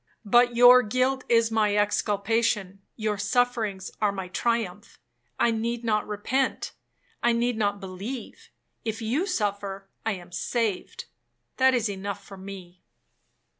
But your guilt is my exculpation, your sufferings are my triumph. I need not repent, I need not believe; if you suffer, I am saved,—that is enough for me.